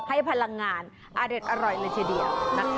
ให้พลังงานอร่อยล่ะเฉยเดียวนะคะ